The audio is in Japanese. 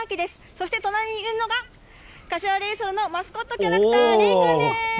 そして隣にいるのが柏レイソルのマスコットキャラクター、レイくんです。